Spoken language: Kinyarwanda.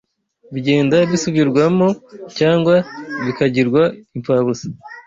bigenda bisubirwamo cyangwa bikagirwa imfabusa